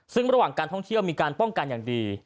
ซึ่งระหว่างการท่องเที่ยวมีการป้องกันอย่างดี